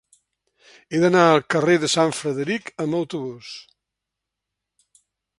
He d'anar al carrer de Sant Frederic amb autobús.